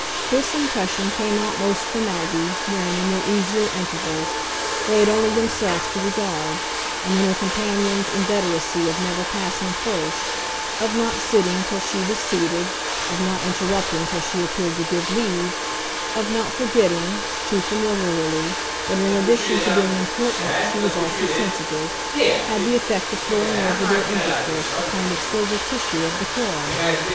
This impression came out most for Maggie when, in their easier intervals, they had only themselves to regard, and when her companion's inveteracy of never passing first, of not sitting till she was seated, of not interrupting till she appeared to give leave, of not forgetting, too, familiarly, that in addition to being important she was also sensitive, had the effect of throwing over their intercourse a kind of silver tissue of decorum.